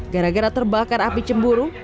gara gara terbakar api cemburu